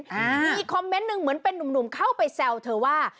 มีคอมเมนต์หนึ่งเหมือนเป็นนุ่มหนุ่มเข้าไปแซวเธอว่า